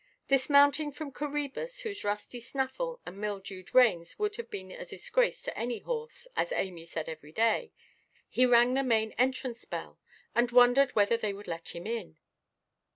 Dismounting from Coræbus, whose rusty snaffle and mildewed reins would have been a disgrace to any horse, as Amy said every day, he rang the main entrance bell, and wondered whether they would let him in.